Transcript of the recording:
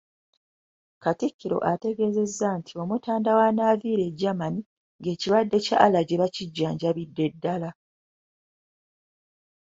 Katikkiro Mayiga ategeezezza nti Omutanda wanaaviira e Germany ng'ekirwadde kya Allergy bakijjanjabidde ddala.